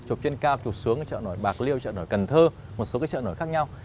chụp trên cao trục xuống chợ nổi bạc liêu chợ nổi cần thơ một số cái chợ nổi khác nhau